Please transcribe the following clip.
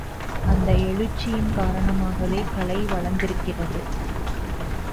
அந்த எழுச்சியின் காரணமாகவே கலை வளர்ந்திருக்கிறது.